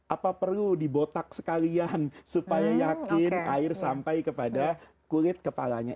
apa perlu dibotak sekalian supaya yakin air sampai kepada kulit kepalanya